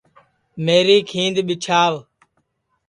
میری کھیند ٻیچھاو